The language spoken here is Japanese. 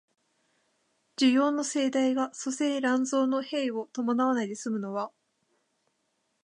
需要の盛大が粗製濫造の弊を伴わないで済むのは、